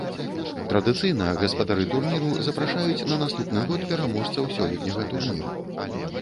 Традыцыйна гаспадары турніру запрашаюць на наступны год пераможцаў сёлетняга турніру.